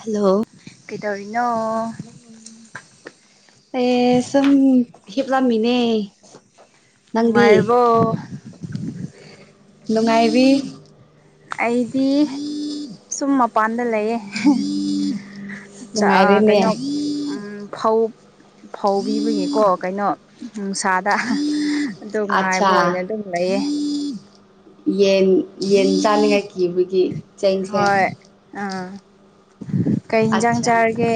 Hello ꯀꯩꯗꯧꯔꯤꯅꯣ ꯑꯦ ꯁꯨꯝ ꯍꯤꯞꯂꯝꯃꯤꯅꯦ ꯅꯪꯗꯤ ꯃꯥꯔꯒꯣ ꯅꯨꯡꯉꯥꯏꯕꯤ ꯑꯩꯗꯤ ꯁꯨꯝ ꯃꯄꯥꯟꯗ ꯂꯩꯌꯦ ꯅꯨꯡꯉꯥꯏꯔꯦꯅꯦ ꯀꯩꯅꯣ ꯐꯧ ꯐꯧ ꯄꯤꯕꯒꯤꯀꯣ ꯀꯩꯅꯣ ꯅꯨꯡꯁꯥꯗ ꯑꯗꯨ ꯉꯥꯏꯕ ꯑꯠꯆꯥ ꯑꯣꯏꯅ ꯑꯗꯨꯝ ꯂꯩꯌꯦ ꯌꯦꯟ ꯌꯦꯟ ꯇꯥꯅꯤꯡꯉꯥꯏ ꯀꯤꯕꯒꯤ ꯆꯦꯡꯁꯦ ꯍꯣꯏ ꯑꯥ ꯀꯩ ꯑꯠ ꯍꯤꯟꯖꯥꯡ ꯆꯥꯔꯒꯦ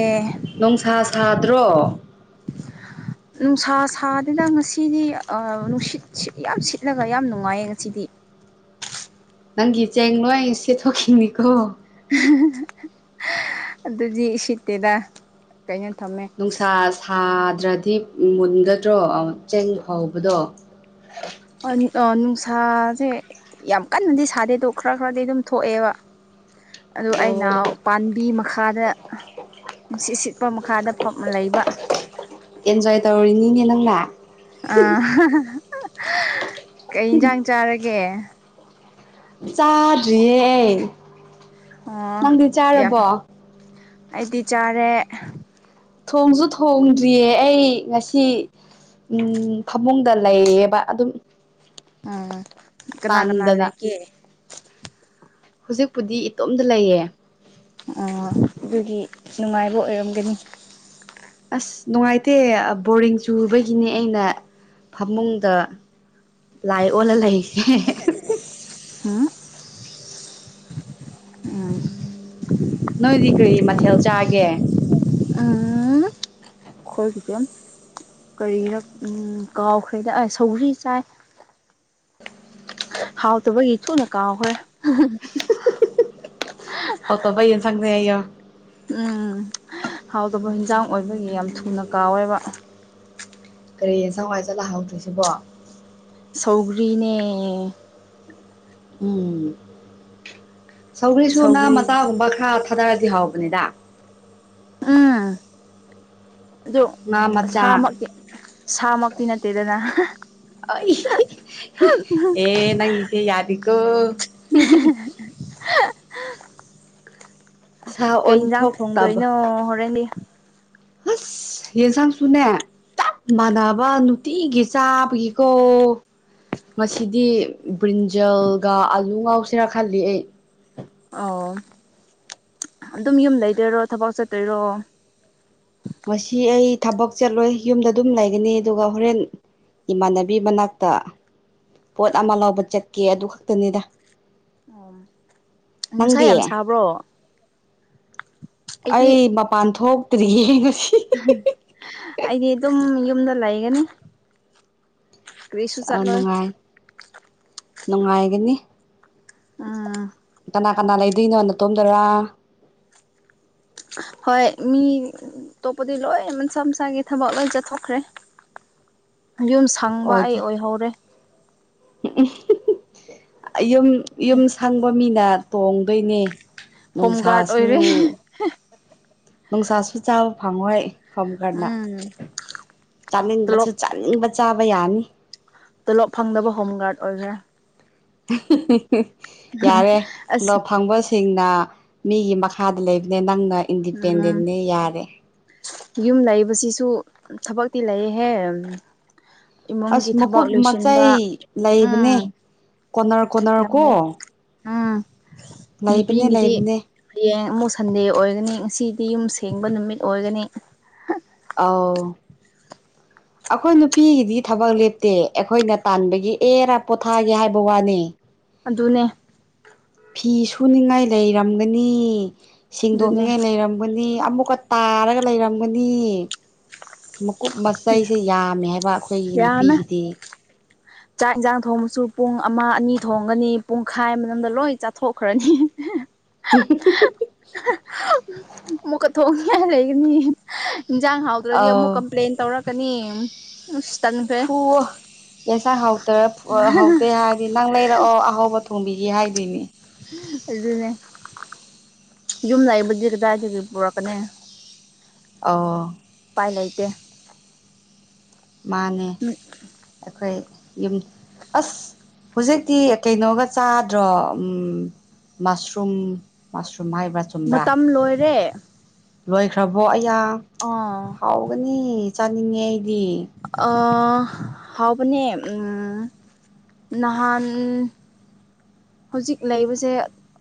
ꯅꯨꯡꯁꯥ ꯁꯥꯗ꯭ꯔꯣ ꯅꯨꯡꯁꯥ ꯁꯥꯗꯅ ꯉꯁꯤꯗꯤ ꯅꯨꯡꯁꯤꯠ ꯌꯥꯝ ꯁꯤꯠꯂꯒ ꯌꯥꯝ ꯅꯨꯡꯉꯥꯏꯌꯦ ꯉꯁꯤꯗꯤ ꯅꯪꯒꯤ ꯆꯦꯡ ꯅꯣ ꯑꯩ ꯁꯦ ꯊꯣꯛꯣꯛꯈꯤꯅꯤꯀꯣ ꯑꯗꯨꯖꯤ ꯁꯤꯠꯇꯦꯗ ꯀꯩꯅꯣ ꯊꯝꯃꯦ ꯅꯨꯡꯁꯥ ꯁꯥꯗ ꯅꯠꯇ꯭ꯔꯗꯤ ꯃꯨꯟꯒꯗ꯭ꯔꯣ ꯆꯦꯡ ꯍꯥꯎꯕꯗꯣ ꯅꯨꯡꯁꯥꯁꯦ ꯌꯥꯝ ꯀꯟꯅꯗꯤ ꯁꯥꯗꯦꯗꯣ ꯈꯔ ꯈꯔꯗꯤ ꯑꯗꯨꯝ ꯊꯣꯛꯑꯦꯕ ꯑꯗꯨ ꯑꯣ ꯑꯩꯅ ꯄꯥꯝꯕꯤ ꯃꯈ ꯃꯈꯥꯗ ꯅꯨꯡꯁꯤꯠ ꯁꯤꯠꯄ ꯃꯈꯥꯗ ꯐꯝꯅ ꯂꯩꯕ ꯑꯦꯟꯖꯣꯏ ꯇꯧꯔꯤꯅꯤꯅꯦ ꯅꯪ ꯂ ꯑꯥ ꯀꯩ ꯌꯦꯟꯁꯥꯡ ꯆꯥꯔꯒꯦ ꯆꯥꯗ꯭ꯔꯤꯌꯦ ꯑꯩ ꯑꯣ ꯅꯪꯗꯤ ꯌꯥꯝ ꯆꯥꯔꯕꯣ ꯑꯩꯗꯤ ꯆꯥꯔꯦ ꯊꯣꯡꯁꯨ ꯊꯣꯡꯗ꯭ꯔꯤꯌꯦ ꯑꯩ ꯉꯁꯤ ꯎꯝ ꯐꯃꯨꯡꯗ ꯂꯩꯌꯦꯕ ꯑꯗꯨꯝ ꯎ ꯀꯅꯥ ꯀꯅꯥ ꯇꯥꯟꯗꯅ ꯂꯩꯒꯦ ꯍꯧꯖꯤꯛꯄꯨꯗꯤ ꯏꯇꯣꯝꯇ ꯂꯩꯌꯦ ꯑꯣ ꯑꯗꯨꯒꯤ ꯅꯨꯡꯉꯥꯏꯕ ꯑꯣꯏꯔꯝꯒꯅꯤ ꯑꯁ ꯅꯨꯡꯉꯥꯏꯇꯦ ꯕꯣꯔꯤꯡ ꯆꯨꯕꯒꯤꯅꯦ ꯑꯩꯅ ꯐꯃꯨꯡꯗ ꯂꯥꯏ ꯑꯣꯟꯅ ꯂꯩ ꯍꯥꯝ ꯎꯝ [inaudible] ꯅꯣꯏꯗꯤ ꯀꯔꯤ ꯃꯊꯦꯜ ꯆꯥꯒꯦ ꯎꯝ ꯈꯣꯏꯗꯦꯝ ꯀꯔꯤꯔꯛ ꯀꯥꯎꯈ꯭ꯔꯦꯗꯛꯑ ꯁꯧ꯭ꯔꯤ ꯆꯥꯏ ꯍꯥꯎꯇꯕꯒꯤ ꯁꯨꯅ ꯀꯥꯎꯈ꯭ꯔꯦ ꯍ ꯇ ꯩꯌꯦꯅ ꯁꯪꯅꯦ ꯍꯥꯏ ꯌ ꯎꯝ ꯍꯥꯎꯗꯕ ꯍꯟꯖꯥꯡ ꯑꯣꯏꯕꯒꯤ ꯌꯥꯝ ꯊꯨꯅ ꯀꯥꯎꯋꯦꯕ ꯀꯔꯤ ꯁꯋꯥꯏ ꯆꯂꯥꯛꯍꯧꯗ꯭ꯣꯏꯁꯤꯕꯣ ꯁꯧꯒꯔꯤꯅꯦ ꯎꯝ ꯁꯧꯔꯤꯁꯨ ꯉꯥ ꯁꯧꯒ꯭ꯔꯤ ꯃꯆꯥꯒꯨꯝꯕ ꯈꯔ ꯐꯇꯔꯗꯤ ꯍꯥꯎꯕꯅꯦꯗ ꯑꯝ ꯉꯥ ꯃꯆꯥ ꯑꯗꯨꯁꯥꯃꯛꯇꯤ ꯁꯥꯃꯛꯇꯤ ꯅꯠꯇꯦꯗꯅ ꯑ ꯑꯦ ꯅꯪꯁꯦ ꯌꯥꯗꯀꯣ [unintelligible] ꯁꯥ ꯀꯩ ꯌꯦꯟꯖꯥꯡ ꯑꯣꯟꯊꯣꯛꯇꯕ ꯊꯣꯡꯗꯣꯏꯅꯣ ꯍꯣꯔꯦꯟꯗꯤ ꯑꯁ ꯌꯦꯟꯁꯥꯡꯁꯨꯅꯦ ꯆꯞ ꯃꯥꯟꯅꯕ ꯅꯨꯡꯇꯤꯒꯤ ꯆꯥꯕꯒꯤꯀꯣ ꯉꯁꯤꯗꯤ ꯕ꯭ꯔꯤꯟꯖꯜꯒ ꯑꯥꯂꯨ ꯉꯥꯎꯁꯤꯦꯔꯥ ꯈꯜꯂꯤ ꯑꯩ ꯑꯣ ꯑꯗꯨꯝ ꯌꯨꯝ ꯂꯩꯇꯣꯏꯔꯣ ꯊꯕꯛ ꯆꯠꯇꯣꯏꯔꯣ ꯉꯁꯤ ꯑꯩ ꯊꯕꯛ ꯆꯠꯂꯣꯏ ꯌꯨꯝꯗ ꯑꯗꯨꯝ ꯂꯩꯒꯅꯤ ꯑꯗꯨꯒ ꯍꯣꯔꯦꯟ ꯏꯃꯥꯟꯅꯕꯤ ꯃꯅꯥꯛꯇ ꯄꯣꯠ ꯑꯃ ꯂꯧꯕ ꯆꯠꯀꯦ ꯑꯗꯨ ꯈꯛꯇꯅꯤꯗ ꯎ ꯅꯨꯡꯁꯥ ꯅꯪꯗꯤ ꯌꯥꯝ ꯁꯥꯕ꯭ꯔꯣ ꯑꯩꯗꯤ ꯑꯩ ꯃꯄꯥꯟ ꯊꯣꯛꯇ꯭ꯔꯤ ꯑꯩꯗꯤ ꯑꯗꯨꯝ ꯌꯨꯝꯗ ꯂꯩꯒꯅꯤ ꯀꯔꯤꯁꯨ ꯆꯠꯂꯣꯏ ꯅꯨꯡꯉꯥꯏ ꯅꯨꯡꯉꯥꯏꯒꯅꯤ ꯑꯥ ꯀꯅꯥ ꯀꯅꯥ ꯂꯩꯗꯣꯏꯅꯣ ꯅ ꯇꯣꯝꯗꯣꯏꯔ ꯍꯣꯏ ꯃꯤ ꯑꯇꯣꯞꯄꯗꯤ ꯂꯣꯏ ꯃꯟꯁꯥ ꯃꯁꯥꯒꯤ ꯊꯕꯛ ꯂꯣꯏ ꯆꯠꯊꯣꯛꯈ꯭ꯔꯦ ꯌꯨꯝ ꯁꯪꯕ ꯑꯩ ꯑꯣꯏꯍꯧꯔꯦ ꯎ ꯌꯨꯝ ꯌꯨꯝ ꯁꯪꯕ ꯃꯤꯅ ꯇꯣꯡꯗꯣꯏꯅꯦ ꯍꯣꯝ ꯒꯥꯔꯗ ꯅꯨꯡꯁꯥꯁꯨ ꯑꯣꯏꯔꯦ ꯅꯨꯡꯁꯥꯁꯨ ꯆꯥꯕ ꯐꯪꯉꯣꯏ ꯍꯣꯝ ꯒꯥꯔꯗꯅ ꯎꯝ ꯆꯥꯅꯤꯡꯕꯁꯨ ꯇꯣꯂꯣꯞ ꯆꯥꯅꯤꯡꯕ ꯆꯥꯕ ꯌꯥꯅꯤ ꯇꯣꯂꯣꯞ ꯐꯪꯗꯕ ꯍꯣꯝ ꯒꯥꯔꯗ ꯑꯣꯏꯈ꯭ꯔꯦ ꯌꯥꯔꯦ ꯑꯁ ꯊꯂꯛ ꯐꯪꯕꯁꯤꯡ ꯅ ꯃꯤꯒꯤ ꯃꯈꯥꯗ ꯂꯩꯕꯅꯦ ꯅꯪꯅ ꯎꯝ ꯏꯟꯗꯤꯄꯦꯟꯗꯦꯦ ꯌꯥꯔꯦ ꯌꯨꯝ ꯂꯩꯕꯁꯤꯁꯨ ꯊꯕꯛꯇꯤ ꯂꯩꯌꯦꯍꯦ ꯏꯃꯨꯡꯒꯤ ꯑꯁ ꯊꯕꯛ ꯃꯈꯀꯨꯞ ꯂꯣꯏꯁꯤꯟꯕ ꯃꯆꯥꯏ ꯂꯩꯕꯅꯦ ꯎꯝ ꯀꯣꯅꯔ ꯀꯣꯅꯔ ꯌꯥꯝ ꯀꯣ ꯂꯩ ꯎꯝ ꯂꯩꯕꯅꯦ ꯄꯒꯤꯗꯤ ꯂꯩꯕꯅꯦ ꯁꯟꯗꯦ ꯑꯣꯏꯒꯅꯤ ꯉꯁꯤꯗꯤ ꯌꯨꯝ ꯁꯦꯡꯕ ꯅꯨꯃꯤꯠ ꯑꯣꯏꯒꯅꯤ ꯑ [unintelligible] ꯑꯩꯈꯣꯏ ꯅꯨꯄꯤꯒꯤꯗꯤ ꯊꯕꯛ ꯂꯦꯞꯇꯦ ꯑꯩꯈꯣꯏꯅ ꯇꯥꯟꯕꯒꯤ ꯑꯦꯔꯥ ꯄꯣꯊꯥꯒꯦ ꯍꯥꯏꯕ ꯋꯥꯅꯤ ꯑꯗꯨꯅꯦ ꯐꯤ ꯁꯨꯅꯤꯡꯉꯥꯏ ꯂꯩꯔꯝꯒꯅꯤ ꯑꯗꯨꯅꯦ ꯁꯦꯡꯗꯣꯛꯅꯤꯡꯉꯥꯏ ꯂꯩꯔꯝꯒꯅꯤ ꯑꯃꯨꯛꯀ ꯇꯥꯔꯒ ꯂꯩꯔꯝꯒꯅꯤ ꯃꯀꯨꯞ ꯃꯆꯩꯁꯦ ꯌꯥꯝꯃꯦ ꯍꯥꯏꯕ ꯑꯩꯈꯣꯏꯒꯤ ꯅꯨꯄꯤꯒꯤꯗꯤ ꯑ ꯆꯥꯛ ꯏꯟꯁꯥꯡ ꯊꯣꯡꯕꯁꯨ ꯄꯨꯡ ꯑꯃ ꯑꯅꯤ ꯊꯣꯡꯒꯅꯤ ꯄꯨꯡꯈꯥꯏ ꯃꯇꯝꯝꯗ ꯂꯣꯏ ꯆꯥꯊꯣꯛꯈ꯭ꯔꯅꯤ ꯑꯃꯨꯛꯀ ꯊꯣꯡꯉꯥꯏ ꯂꯩꯒꯅꯤ ꯌꯦꯟꯖꯥꯡ ꯍꯥꯎꯗ꯭ꯔꯗꯤ ꯑꯃꯨꯛ ꯑꯥꯎ ꯀꯝꯄ꯭ꯂꯦꯟ ꯇꯧꯔꯛꯀꯅꯤ ꯑ ꯐꯨꯋꯣ ꯌꯦꯟꯁꯥꯡ ꯍꯥꯎꯇꯔ ꯍꯥꯎꯇꯦ ꯍꯥꯏꯔꯗꯤ ꯅꯪ ꯂꯩꯔꯛꯑꯣ ꯑꯍꯥꯎꯕ ꯊꯣꯡꯕꯤ ꯀ ꯍꯥꯏꯗꯣꯏꯅꯦ ꯑꯗꯨꯅꯦ ꯌꯨꯝꯅꯥꯕꯨꯗꯤꯤꯀꯥꯏ ꯆ ꯄꯨꯣꯔꯛꯀꯅꯤ ꯑ ꯥꯏ ꯂꯩꯇ ꯃꯥꯅꯦ ꯑꯩꯈꯣꯏ ꯌꯨꯝ ꯑꯁ ꯍꯧꯖꯤꯛꯇꯤ ꯀꯩꯅꯣꯒ ꯆꯥꯗ꯭ꯔꯣ ꯃꯁꯔꯨꯝꯁꯔꯨꯝ ꯁꯨꯝꯍꯥꯏꯕ꯭ꯔ ꯆꯨꯝꯕ꯭ꯔꯥ ꯃꯇꯝ ꯂꯣꯏꯔꯦ ꯂꯣꯏꯈ꯭ꯔꯕꯣ ꯑꯩꯌꯥ ꯑꯥ ꯍꯥꯎꯒꯅꯤ ꯆꯥꯅꯤꯡꯉꯦ ꯑꯩꯗꯤ ꯍꯥꯎꯕ ꯅꯍꯥꯟ ꯍꯧꯖꯤꯛ ꯂꯩꯕꯁꯦ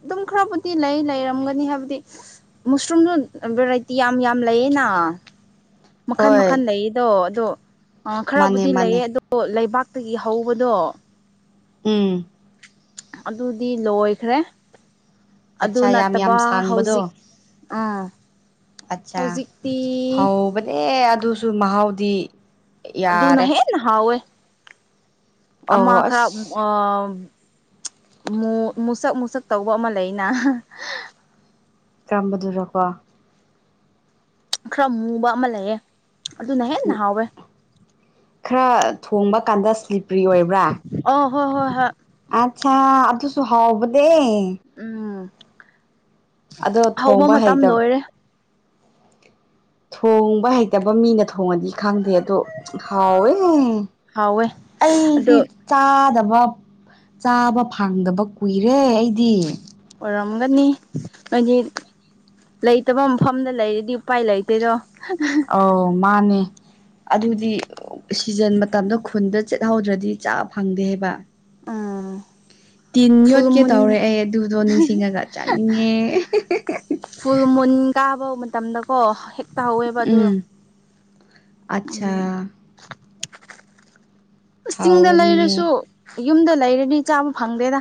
ꯑꯗꯨꯝ ꯈꯔꯕꯨꯗꯤ ꯂꯩ ꯂꯩꯔꯝꯒꯅꯤ ꯍꯥꯏꯕꯗꯤ ꯃꯨꯁꯔꯨꯝꯁꯨ ꯚꯦꯔꯥꯏꯇꯤ ꯌꯥꯝ ꯌꯥꯝ ꯂꯩꯌꯦꯅ ꯃꯈꯟ ꯃꯈꯜ ꯍꯣꯏ ꯂꯩꯌꯦꯗꯣ ꯑꯗꯣ ꯃꯥꯅꯦ ꯈꯔꯕꯨꯗꯤ ꯃꯥꯅꯦ ꯂꯩꯌꯦ ꯑꯗꯣ ꯂꯩꯕꯥꯛ ꯛꯇꯒꯤ ꯍꯧꯕꯗꯣ ꯎꯝ ꯑꯗꯨꯗꯤ ꯂꯣꯏꯈ꯭ꯔꯦ ꯑꯗꯨ ꯑꯠꯆꯥ ꯌꯥꯝ ꯌꯥꯝ ꯅꯠꯇꯕ ꯁꯥꯡꯕꯗꯣ ꯍꯧꯖꯤꯛ ꯑꯥ ꯑꯠꯆꯥ ꯍꯧꯖꯤꯛꯇꯤ ꯍꯧꯕꯅꯦ ꯑꯗꯨꯁꯨ ꯃꯍꯥꯎꯗꯤ ꯌꯥꯔꯦ ꯑꯗꯨꯅꯍꯦꯅ ꯍꯋꯦ ꯑꯃ ꯑꯣ ꯈꯔ ꯑꯁ ꯑ ꯃꯨꯁꯛ ꯃꯨꯁꯛ ꯇꯧꯕ ꯑꯃ ꯂꯩꯅ ꯇꯥꯝꯕꯗꯨꯔꯣꯀꯣ ꯈꯔ ꯃꯨꯕ ꯑꯃ ꯂꯩꯑꯦ ꯑꯗꯨꯅ ꯍꯦꯟꯅ ꯍꯥꯎꯋꯦ ꯈꯔ ꯊꯣꯡꯕ ꯀꯥꯟꯗ ꯁ꯭ꯂꯤꯞꯄ꯭ꯔꯤ ꯑꯣꯏꯕ꯭ꯔꯥ ꯑ ꯍꯣꯏ ꯍꯣꯏ ꯍꯣꯏ ꯑꯆꯥ ꯑꯗꯨꯁꯨ ꯍꯕꯗ ꯎꯝ ꯑꯗꯣ ꯍꯧꯕ ꯊꯣꯡꯕ ꯃꯇꯝ ꯍꯩꯇꯕ ꯂꯣꯏꯔꯦ ꯊꯣꯡꯕ ꯍꯩꯇꯕ ꯃꯤꯅ ꯊꯣꯡꯉꯗꯤ ꯈꯥꯡꯗꯦ ꯑꯗꯣ ꯍꯥꯎꯋꯦ ꯍꯥꯎꯋꯦ ꯑꯩꯗꯤ ꯑꯗꯣ ꯆꯥꯗꯕ ꯆꯥꯕ ꯐꯪꯗꯕ ꯀꯨꯏꯔꯦ ꯑꯩꯗꯤ ꯝꯒꯅꯤ ꯍꯥꯏꯗꯤ ꯂꯩꯇꯕ ꯃꯐꯝꯗ ꯂꯩꯔꯗꯤ ꯎꯄꯥꯏ ꯂꯩꯇꯣꯏꯗꯣ ꯑ ꯃꯥꯅꯦ ꯑꯗꯨꯗꯤ ꯁꯤꯖꯟ ꯃꯇꯝꯗ ꯈꯨꯟꯗ ꯆꯠꯍꯧꯗ꯭ꯔꯗꯤ ꯆꯥꯕ ꯐꯪꯗꯦ ꯍꯥꯏꯕ ꯑꯥ ꯇꯤꯟ ꯌꯣꯠꯀꯦ ꯇꯧꯔꯦ ꯑꯩ ꯑꯗꯨꯗꯣ ꯅꯤꯡꯁꯤꯡꯉꯒ ꯆꯥꯅꯤꯡꯉꯦ ꯐꯨꯜ ꯃꯨꯟ ꯀꯥꯕ ꯃꯇꯝꯗꯀꯣ ꯍꯦꯛꯇꯍꯧꯋꯦꯕ ꯑꯗꯨ ꯑꯆꯥ ꯑꯁ ꯆꯤꯡꯗ ꯂꯩꯔꯁꯨ ꯍꯥꯎꯒꯅꯤꯍꯦ ꯌꯨꯝꯗ ꯂꯩꯔꯅꯤ ꯆꯥꯕ ꯐꯪꯗꯦꯗ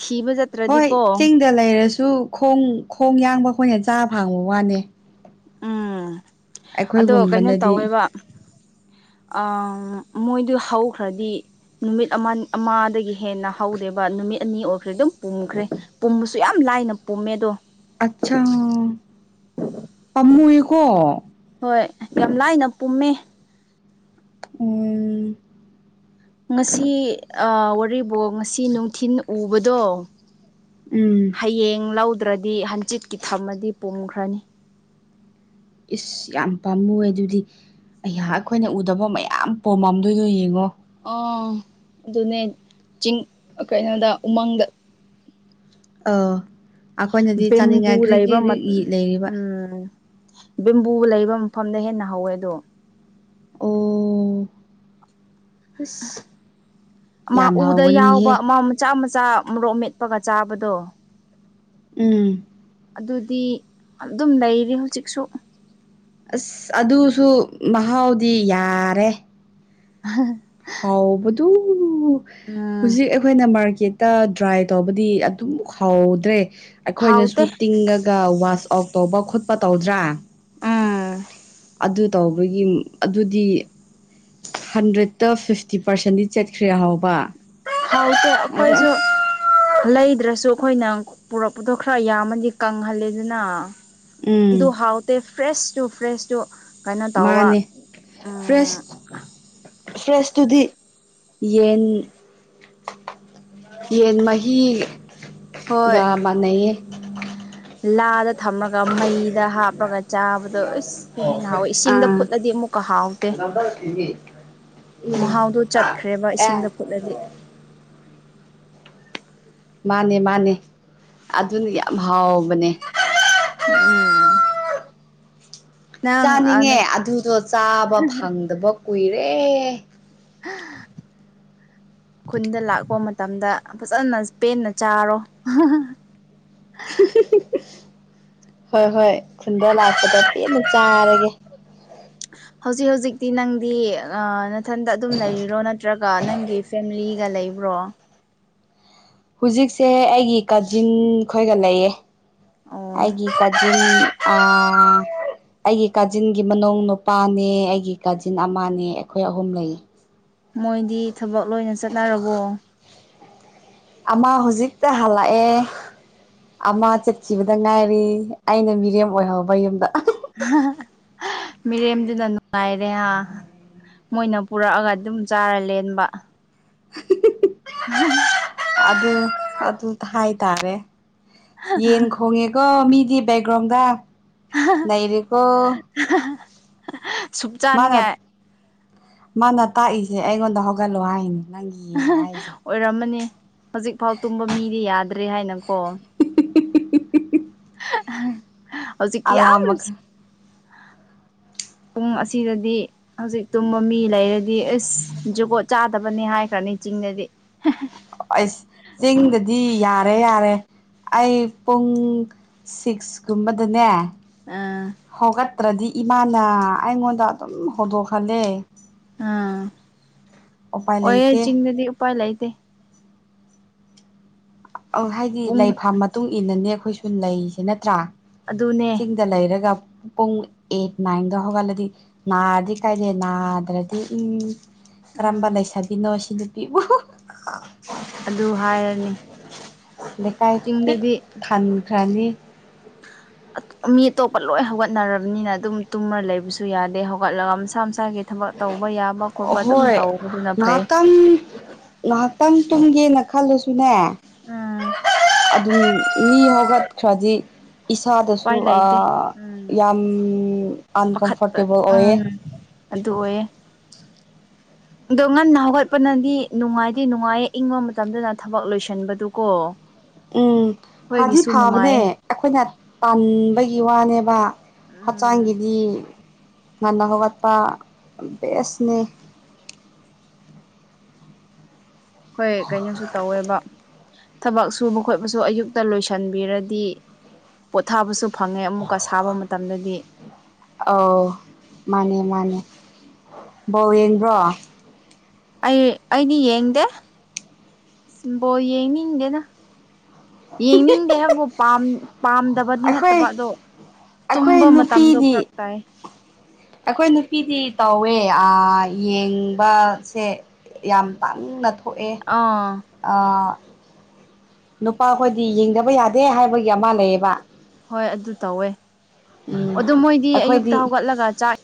ꯊꯤꯕ ꯍꯣꯏ ꯆꯠꯇ꯭ꯔꯗꯤꯀꯣ ꯆꯤꯡꯗ ꯂꯩꯔꯁꯨ ꯈꯣꯡ ꯈꯣꯡ ꯌꯥꯡꯕ ꯑꯩꯈꯣꯏꯅ ꯆꯥꯕ ꯐꯥꯡꯕ ꯋꯥꯅꯦ ꯎꯝ ꯑꯗꯣ ꯀꯩꯅꯣ ꯑꯩꯈꯣꯏꯒꯨꯝꯕꯅꯗꯤ ꯇꯧꯋꯦꯕ ꯑ ꯃꯣꯏꯗꯨ ꯍꯧꯈ꯭ꯔꯗꯤ ꯅꯨꯃꯤꯠ ꯑꯃꯗꯒꯤ ꯍꯦꯟꯅ ꯍꯧꯔꯦꯕ ꯅꯨꯃꯤꯠ ꯑꯅꯤ ꯑꯣꯏꯈ꯭ꯔꯦ ꯑꯗꯨꯝ ꯄꯨꯝꯈ꯭ꯔꯦ ꯄꯨꯝꯕꯁꯨ ꯌꯥꯝ ꯂꯥꯏꯅ ꯄꯨꯝꯃꯦꯗꯣ ꯑꯠꯁꯥ ꯀꯣ ꯍꯣꯏ ꯌꯥꯝ ꯂꯥꯏꯅ ꯄꯨꯝꯃꯦ ꯎꯝ ꯉꯁꯤ ꯋꯥꯔꯤꯕꯔꯤꯕꯣ ꯉꯁꯤ ꯅꯨꯡꯊꯤꯤꯟ ꯎꯕꯗꯣ ꯎꯝ ꯍꯌꯦꯡ ꯂꯧꯗ꯭ꯔꯗꯤ ꯍꯟꯆꯤꯠꯀꯤ ꯊꯝꯃꯗꯤ ꯄꯨꯝꯈ꯭ꯔꯅꯤ ꯏꯁ ꯌꯥꯝ ꯄꯥꯝꯃꯨꯑ ꯑꯗꯨꯗꯤ ꯑꯩꯌꯥ ꯑꯩꯈꯣꯏꯅ ꯎꯗꯕ ꯃꯌꯥꯝ ꯄꯣꯝꯃꯝꯗꯨꯏꯗꯣ ꯌꯦꯡꯉꯣ꯫ ꯑꯥ ꯑꯗꯨꯅꯦ ꯆꯤꯡ ꯀꯩꯅꯣꯗ ꯎꯃꯪꯗ ꯑꯥ ꯑꯩꯈꯣꯏꯅꯗꯤ ꯕꯦꯝꯕꯨ ꯆꯥꯅꯤꯡꯉꯥꯏ ꯒ꯭ꯔꯤ ꯂꯩꯕ ꯒ꯭ꯔꯤ ꯒ꯭ꯔꯤ ꯃꯠ ꯏ ꯂꯩꯔꯤꯕ ꯎꯝ ꯕꯦꯝꯕꯨ ꯂꯩꯕ ꯃꯐꯝꯗ ꯍꯦꯟꯅ ꯍꯧꯋꯦ ꯑꯗꯣ꯫ ꯑꯣ ꯑꯁ ꯑꯃ ꯌꯥꯝ ꯎꯗ ꯌꯥꯎꯕ ꯍꯥꯎꯒꯅꯤꯍꯦ ꯑꯃ ꯃꯆꯥ ꯆꯥ ꯃꯣꯔꯣꯛ ꯃꯦꯠꯄꯒ ꯆꯥꯕꯗꯣ ꯎꯝ ꯑꯗꯨꯗꯤ ꯑꯗꯨꯝ ꯂꯩꯔꯤ ꯍꯧꯖꯤꯛꯁꯨ꯫ ꯑꯁ ꯑꯗꯨꯁꯨ ꯃꯍꯥꯎꯗꯤ ꯌꯥꯔꯦ꯫ ꯍꯥꯎꯕꯗꯨ ꯎꯝ ꯍꯨꯖꯤꯛ ꯑꯩꯈꯣꯏꯅ ꯃꯔ ꯀꯦꯠꯇ ꯗ꯭ꯔꯥꯏ ꯇꯧꯕꯗꯤ ꯑꯗꯨꯝ ꯍꯥꯎꯗ꯭ꯔꯦ꯫ ꯑꯩꯈꯣꯏꯅꯁꯨ ꯍꯥꯎꯇꯦ ꯇꯤꯡꯉꯒ ꯋꯥꯁ ꯑꯥꯎ ꯇꯧꯕ ꯈꯣꯠꯄ ꯇꯧꯗ꯭ꯔꯥ? ꯎꯝ ꯑꯗꯨ ꯇꯧꯕꯒꯤ ꯑꯗꯨꯗꯤ ꯍꯟꯗ꯭ꯔꯦꯠꯇ ꯐꯤꯐꯇꯤ ꯄꯥꯔꯁꯦꯟꯗꯤ ꯆꯠꯈ꯭ꯔꯦ ꯍꯥꯎꯕ꯫ ꯍꯥꯎꯀꯣ ꯑꯗꯣ ꯑꯈꯣꯏꯁꯨ ꯑꯁ ꯂꯩꯗ꯭ꯔꯁꯨ꯫ ꯈꯣꯏꯅ ꯄꯨꯔꯛꯄꯗꯣ ꯈꯔ ꯌꯥꯝꯃꯗꯤ ꯀꯪꯍꯜꯂꯦꯗꯅ ꯎꯝ ꯑꯗꯨ ꯍꯥꯎꯇꯦ꯫ ꯐ꯭ꯔꯦꯁꯇꯨ ꯐ꯭ꯔꯦꯁꯇꯨ ꯀꯩꯅꯣ ꯇꯧꯕ ꯃꯥꯅꯦ ꯎꯝ ꯐ꯭ꯔꯦꯁ ꯐ꯭ꯔꯦꯁꯇꯨꯗꯤ ꯌꯦꯟ꯫ ꯌꯦꯟ ꯍꯣꯏ ꯃꯍꯤꯒ ꯃꯥꯟꯅꯩꯌꯦ꯫ ꯂꯥꯗ ꯊꯝꯔꯒ ꯃꯩꯗ ꯍꯥꯞꯔꯒ ꯆꯥꯕꯗꯣ ꯑꯁꯇꯨ ꯍꯦꯟꯅ ꯍꯥꯎꯋꯦ ꯏꯁꯤꯡꯗ ꯑꯥ ꯐꯨꯠꯂꯗꯤ ꯑꯃꯨꯛꯀ ꯍꯥꯎꯇꯦ꯫ ꯃꯍꯥꯎꯗꯨ ꯆꯠꯈ꯭ꯔꯦꯕ ꯎꯝ ꯏꯁꯤꯡꯗ ꯐꯨꯠꯂꯗꯤ꯫ ꯃꯥꯅꯦ ꯃꯥꯅꯦ ꯑꯗꯨꯅ ꯌꯥꯝ ꯍꯥꯎꯕꯅꯦ꯫ [unintelligible] ꯅꯪ ꯆꯥꯅꯤꯡꯉꯦ ꯑꯗꯨꯗꯣ ꯆꯥꯕ ꯐꯪꯗꯕ ꯀꯨꯏꯔꯦ꯫ [unintelligible] ꯈꯨꯟꯗ ꯂꯥꯛꯄ ꯃꯇꯝꯗ ꯐꯖꯅ ꯄꯦꯟꯅ ꯆꯥꯔꯣ [unintelligible] [unintelligible] ꯍꯣꯏ ꯍꯣꯏ ꯈꯨꯟꯗ ꯂꯥꯛꯄꯗ ꯄꯦꯟꯅ ꯆꯥꯔꯒꯦ꯫ ꯃꯤ ꯑ ꯅꯊꯟꯗ ꯑꯗꯨꯝ ꯂꯩꯔꯤꯔꯣ ꯅꯠꯇ꯭ꯔꯒ ꯅꯪꯒꯤ ꯐꯦꯃꯤꯂꯤꯒ ꯂꯩꯕ꯭ꯔꯣ? ꯍꯨꯖꯤꯛꯁꯦ ꯑꯩꯒꯤ ꯀꯥꯖꯤꯟ ꯈꯣꯏꯒ ꯂꯩꯌꯦ꯫ ꯑꯣ ꯑꯩꯒꯤ ꯀꯖꯤꯟ ꯑ ꯑꯩꯒꯤ ꯀꯥꯖꯤꯟꯒꯤ ꯃꯅꯨꯡ ꯅꯨꯄꯥꯅꯦ ꯑꯩꯒꯤ ꯀꯥꯖꯤꯟ ꯑꯃꯅꯦ ꯑꯩꯈꯣꯏ ꯑꯍꯨꯝ ꯂꯩꯌꯦ꯫ ꯃꯣꯏꯗꯤ ꯊꯕꯛ ꯂꯣꯏꯅ ꯆꯠꯅꯔꯕꯣ? ꯑꯃꯥ ꯍꯨꯖꯤꯛꯇꯥ ꯍꯂꯥꯑꯦ꯫ ꯑꯃ ꯆꯠꯈꯤꯕꯗ ꯉꯥꯏꯔꯤ ꯑꯩꯅ ꯃꯤꯔꯦꯝ ꯑꯣꯏꯍꯧꯕ ꯌꯨꯝꯗ꯫ [unintelligible] ꯃꯤꯔꯦꯝꯗꯨꯅ ꯅꯨꯡꯉꯥꯏꯔꯦ ꯑꯥ꯫ ꯃꯣꯏꯅ ꯄꯨꯔꯛꯑꯒ ꯗꯨꯝ ꯆꯥꯔ ꯂꯦꯟꯕ꯫ [unintelligible] ꯑꯗꯨ ꯑꯗꯨ ꯍꯥꯏꯇꯥꯔꯦ꯫ ꯌꯦꯟ ꯈꯣꯡꯉꯦꯀꯣ ꯃꯤꯗꯤ ꯕꯦꯛꯒꯔ꯭ꯥꯎꯟꯗ꯫ ꯅꯩꯔꯦꯀꯣ꯫ ꯁꯨꯞ ꯃꯥꯅ ꯆꯥꯅꯤꯡꯉꯦ꯫ ꯃꯥꯅ ꯇꯥꯛꯏꯁꯦ ꯑꯩꯉꯣꯟꯗ ꯍꯧꯒꯠꯂꯣ ꯍꯥꯏꯅꯦ ꯅꯪꯒꯤꯌꯦꯅ ꯍꯥꯏꯁꯦ꯫ ꯑꯣꯏꯔꯝꯃꯅꯤ ꯍꯧꯖꯤꯛꯐꯥꯎ ꯇꯨꯝꯕ ꯃꯤꯗꯤ ꯌꯥꯗ꯭ꯔꯦ ꯍꯥꯏꯅꯀꯣ [unintelligible] [unintelligible] ꯍꯧꯖꯤꯛꯇꯤ ꯑꯂꯥ ꯌꯥꯝ ꯃꯈꯜ ꯄꯨꯡ ꯑꯁꯤꯗꯗꯤ ꯍꯧꯖꯤꯛ ꯇꯨꯝꯕ ꯃꯤ ꯂꯩꯔꯗꯤ ꯑꯦꯁ ꯖꯨꯒꯣꯠ ꯆꯥꯗꯕꯅꯤ ꯍꯥꯏꯈ꯭ꯔꯅꯤ ꯆꯤꯡꯗꯗꯤ꯫ ꯑꯩꯁ ꯆꯤꯡꯗꯗꯤ ꯌꯥꯔꯦ ꯌꯥꯔꯦ ꯑꯩ ꯄꯨꯡ ꯁꯤꯛꯁ ꯀꯨꯝꯕꯗꯅꯦ ꯑꯥ ꯍꯧꯒꯠꯇ꯭ꯔꯗꯤ ꯏꯃꯥꯅ ꯑꯩꯉꯣꯟꯗ ꯑꯗꯨꯝ ꯍꯧꯗꯣꯛꯍꯜꯂꯦ ꯑꯝ ꯎꯄꯥꯏ ꯑꯣꯏꯌꯦ ꯂꯩꯇꯦ ꯆꯤꯡꯗꯗꯤ ꯎꯄꯥꯏ ꯂꯩꯗ ꯑ ꯍꯥꯏꯗꯤ ꯄꯨꯡ ꯂꯩꯐꯝꯥ ꯃꯇꯨꯡ ꯏꯟꯅꯅꯦ ꯑꯩꯈꯣꯏꯁꯨ ꯂꯩꯁꯦ ꯅꯠꯇ꯭ꯔꯥ ꯑꯗꯨꯅꯦ ꯆꯤꯡꯗ ꯂꯩꯔꯒ ꯄꯨꯡ ꯑꯩꯠ ꯅꯥꯏꯟꯗ ꯍꯧꯒꯠꯂꯗꯤ ꯅꯥꯔꯗꯤ ꯀꯥꯏꯗꯦ ꯅꯥꯗ꯭ꯔꯗꯤ ꯎꯝ ꯀꯔꯝꯕ ꯑꯥ ꯂꯩꯁꯥꯕꯤꯅꯣ ꯁꯤ ꯅꯨꯄꯤꯕꯨ ꯑꯗꯨ ꯍꯥꯏꯔꯅꯤ ꯂꯩꯦꯀꯥꯏ ꯄꯤꯛ ꯆꯤꯡꯗꯗꯤ ꯈꯥꯟꯈ꯭ꯔꯥꯅꯤ ꯃꯤ ꯑꯇꯣꯞꯄ ꯂꯣꯏ ꯍꯧꯒꯠꯅꯔꯕꯅꯤꯅ ꯑꯗꯨꯝ ꯇꯨꯝꯃꯔ ꯂꯩꯕꯁꯨ ꯌꯥꯗꯦ ꯍꯧꯒꯠꯂꯒ ꯃꯁꯥ ꯃꯁꯥꯒꯤ ꯊꯕꯛ ꯇꯧꯕ ꯌꯥꯕ ꯈꯣꯠꯄ ꯑꯗꯨꯝ ꯍꯣꯏ ꯇꯧꯕꯗꯨꯅ ꯐꯩ ꯇꯝꯒꯦꯅ ꯈꯜꯂꯨꯁꯨꯅꯦ ꯎꯝ ꯑꯗꯨꯝ ꯃꯤ ꯍꯧꯒꯠꯈ꯭ꯔꯗꯤ ꯏꯁꯥꯗꯁꯨ ꯎꯄꯥꯏ ꯂꯩꯇꯦ ꯌꯥꯝ ꯄꯥꯈꯠꯄ ꯑꯟꯀꯝꯐꯣꯔꯇꯦꯕꯜ ꯑꯣꯏꯌꯦ ꯎꯝ ꯑꯗꯨ ꯑꯣꯏꯌꯦ ꯑꯗꯣ ꯉꯟꯅ ꯍꯧꯒꯠꯄꯅꯗꯤ ꯅꯨꯡꯉꯥꯏꯇꯦ ꯅꯨꯡꯉꯥꯏꯌꯦ ꯏꯪꯕ ꯃꯇꯝꯗꯅ ꯊꯕꯛ ꯂꯣꯏꯁꯟꯕꯗꯨꯀꯣ ꯎꯝ ꯐꯥꯗꯤ ꯐꯥꯕꯅꯦ ꯑꯩꯈꯣꯏꯅ ꯄꯥꯟꯕꯒꯤ ꯋꯥꯅꯦꯕ ꯎꯝ ꯍꯛꯆꯥꯡꯒꯤꯗꯤ ꯉꯥꯟꯅ ꯍꯧꯣꯒꯠꯄ ꯕꯦꯁꯅꯦ ꯍꯣꯏ ꯀꯩꯅꯣꯁꯨ ꯇꯧꯋꯦꯕ ꯊꯕꯛ ꯁꯨꯕ ꯈꯣꯠꯄꯁꯨ ꯑꯌꯨꯛꯇ ꯂꯣꯏꯁꯤꯟꯕꯤꯔꯗꯤ ꯄꯣꯊꯥꯕꯁꯨ ꯐꯪꯉꯦ ꯑꯃꯨꯛꯀ ꯁꯥꯕ ꯃꯇꯝꯗꯗꯤ ꯑꯥꯎ ꯃꯥꯅꯦ ꯃꯥꯅꯦ ꯕꯧꯋꯦꯟꯗ꯭ꯔꯣ ꯑꯩ ꯑꯩꯗꯤ ꯌꯦꯡꯗꯦ ꯁꯤꯕꯣ ꯌꯦꯡꯅꯤꯡꯗꯦꯅ ꯌꯦꯡꯅꯤꯡꯗꯦ ꯍꯥꯏꯕꯨ ꯄꯥꯝ ꯄꯥꯝꯗꯕꯗꯤ ꯑꯩꯈꯣꯏ ꯅꯠꯇꯕ ꯑꯗꯣ ꯇꯨꯝꯕ ꯑꯩꯈꯣꯏ ꯃꯇꯝꯗꯣ ꯅꯨꯄꯤꯗꯤ ꯐꯔꯛ ꯇꯥꯏ ꯑꯩꯈꯣꯏ ꯅꯨꯄꯤꯗꯤ ꯇꯧꯋꯦ ꯌꯦꯡꯕꯁꯦ ꯌꯥꯝ ꯄꯪꯅ ꯊꯣꯛꯣꯛꯑꯦ ꯑꯥ ꯅꯨꯄꯥꯈꯣꯏꯗꯤ ꯌꯦꯡꯗꯕ ꯌꯥꯗꯦ ꯍꯥꯏꯕꯒꯤ ꯑꯃ ꯂꯩꯌꯦꯕ ꯍꯣꯏ ꯑꯗꯨ ꯇꯧꯋꯦ ꯎꯝ ꯑꯗꯨ ꯃꯣꯏꯗꯤ ꯑꯌꯨꯛꯇ ꯑꯩꯈꯣꯏꯗꯤ ꯍꯧꯒꯠꯂꯒ ꯆꯥꯛ